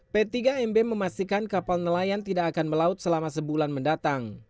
p tiga mb memastikan kapal nelayan tidak akan melaut selama sebulan mendatang